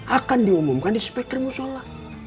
akan diumumkan di spektur musola